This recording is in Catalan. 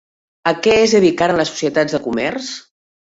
A què es dedicaren les societats de comerç?